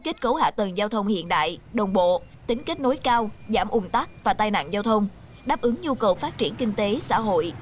kết cấu hạ tầng giao thông hiện đại đồng bộ tính kết nối cao giảm ung tắc và tai nạn giao thông đáp ứng nhu cầu phát triển kinh tế xã hội